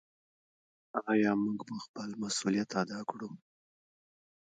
آیا موږ به خپل مسوولیت ادا کړو؟